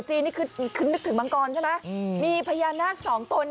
นี่คือนึกถึงมังกรใช่ไหมมีพญานาคสองตน